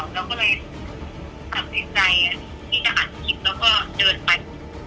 เราก็เลยตัดสินใจที่จะหันคลิปแล้วก็เดินไป